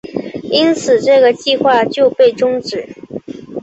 因此这个计划就被终止。